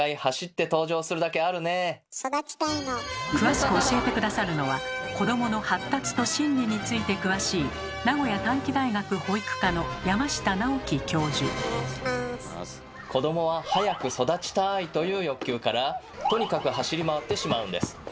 詳しく教えて下さるのは子どもの発達と心理について詳しい子どもは「早く育ちたい！」という欲求からとにかく走り回ってしまうんです。